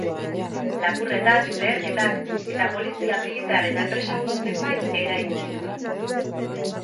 Lapurretak, leherketak eta polizia, militar eta enpresaburu zenbait erail zituen.